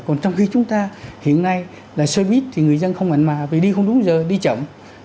còn trong khi chúng ta hiện nay là xe buýt thì người dân không mạnh mà vì đi không đúng giờ đi chậm